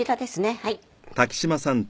はい。